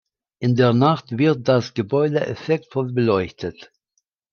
In der Nacht wird das Gebäude effektvoll beleuchtet.